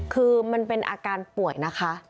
คือมันเป็นอาการป่วยนะคะ